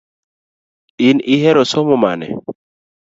In ihero somo mane?